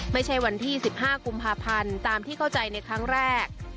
ไม่ใช่วันที่๑๕กุมภาพันธ์ตามที่เข้าใจในครั้งแรก